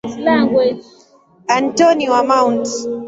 Antoni wa Mt.